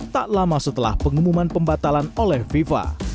tak lama setelah pengumuman pembatalan oleh fifa